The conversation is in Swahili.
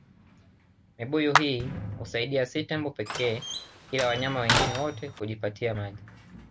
Mibuyu hii husaidia si tembo pekee ila wanyama wengine wote kujipatia maji